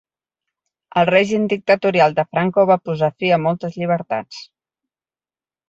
El règim dictatorial de Franco va posar fi a moltes llibertats.